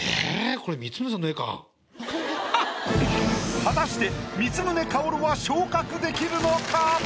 これ果たして光宗薫は昇格できるのか？